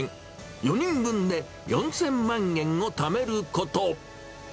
４人分で４０００万円をためること。